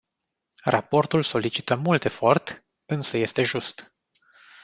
Raportul solicită mult efort, însă este just.